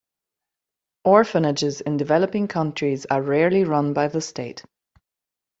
Orphanages in developing countries are rarely run by the state.